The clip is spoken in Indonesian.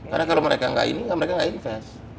karena kalau mereka nggak ini mereka nggak invest